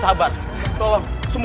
wah bapak berkeburu